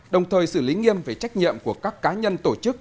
đồng thời xử lý nghiêm về trách nhiệm của các cá nhân tổ chức